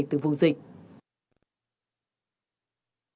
từ vùng dịch